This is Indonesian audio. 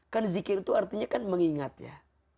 kan zikir itu artinya kan mengingat ya